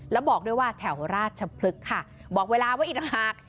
แล้วบอกด้วยว่าแถวราชพฤกษ์ค่ะบอกเวลาไว้อีกต่างหาก